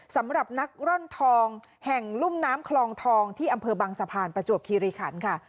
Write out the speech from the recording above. สำหรับนักร่อนทองแห่งรุ่มน้ำคลองทองที่อำเภอบังสะพานประจวบคีรีขันค่ะ